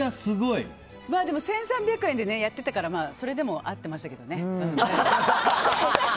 でも、１３００円でやってたからそれでも合ってましたけどね。